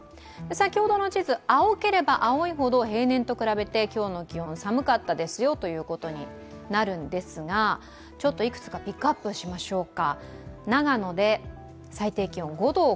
先ほどの地図、青ければ青いほど、平年と比べて今日の気温、寒かったということになるんですがいくつかピックアップしましょうか。